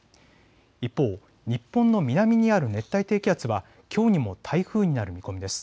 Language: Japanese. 一方、日本の南にある熱帯低気圧はきょうにも台風になる見込みです。